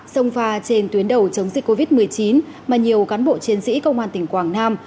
sông pha trên tuyến đầu chống dịch covid một mươi chín mà nhiều cán bộ chiến sĩ công an tỉnh quảng nam